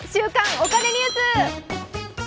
お金ニュース」